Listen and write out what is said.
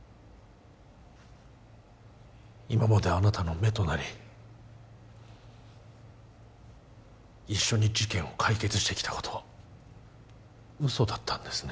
今まであなたの目となり一緒に事件を解決してきたこと嘘だったんですね